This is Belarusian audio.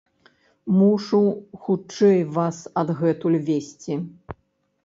Мушу хутчэй вас адгэтуль весці.